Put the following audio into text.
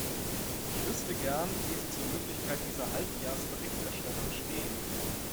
Ich wüsste gern, wie Sie zur Möglichkeit dieser Halbjahresberichterstattung stehen.